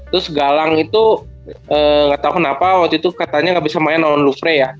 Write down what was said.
terus galang itu gak tau kenapa waktu itu katanya gak bisa main sama lufrey ya